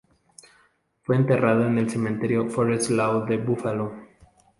Fue enterrado en el cementerio Forest Lawn de Buffalo.